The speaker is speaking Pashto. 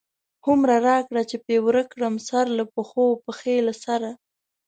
هومره راکړه چی پی ورک کړم، سر له پښو، پښی له سره